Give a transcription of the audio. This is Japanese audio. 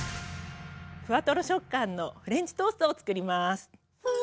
ふわとろ食感のフレンチトーストをつくります。